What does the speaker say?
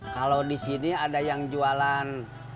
kalau di sini ada yang jualan